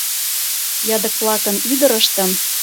Ядыкплакын ӱдырыштым